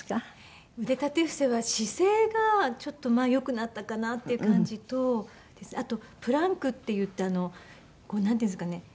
腕立て伏せは姿勢がちょっとよくなったかなっていう感じとあとプランクっていってなんていうんですかね。